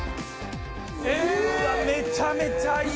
めちゃめちゃいい！